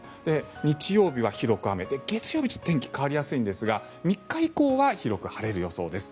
日曜日は広く雨月曜日、ちょっと天気が変わりやすいんですが３日以降は広く晴れる予想です。